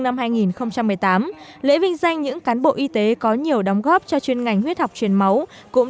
năm hai nghìn một mươi tám lễ vinh danh những cán bộ y tế có nhiều đóng góp cho chuyên ngành huyết học truyền máu cũng